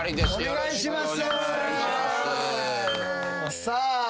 お願いします。